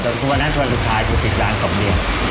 แต่ทุกวันนั้นวันสุดท้ายอยู่ติดร้าน๒เดือน